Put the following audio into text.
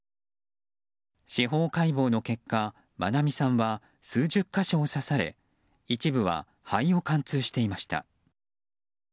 司法解剖の結果、愛美さんは数十か所を刺され一部は肺を貫通していました。